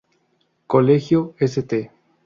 Colegio St.